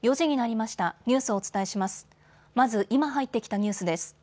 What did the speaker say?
まず、今入ってきたニュースです。